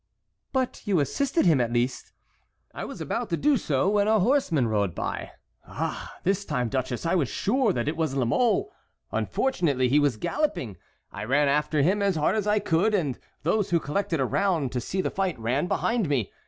"But you assisted him at least?" "I was about to do so when a horseman rode by. Ah! this time, duchess, I was sure that it was La Mole. Unfortunately he was galloping. I ran after him as hard as I could, and those who collected around to see the fight ran behind me.